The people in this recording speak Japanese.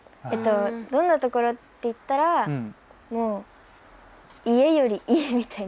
どんなところっていったら家より家みたいな。